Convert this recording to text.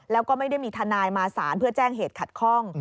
แล้วก็ไม่ได้มีทนายมาสารเพื่อแจ้งเหตุขัดข้อง